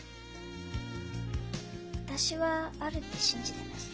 私は「ある」って信じてます。